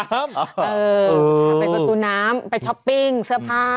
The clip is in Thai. ไปประตูน้ำไปช้อปปิ้งเสื้อผ้า